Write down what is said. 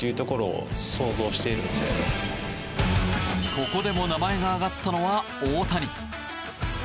ここでも名前が挙がったのは大谷。